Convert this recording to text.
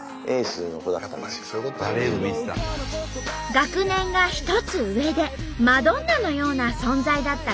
学年が１つ上でマドンナのような存在だった女性。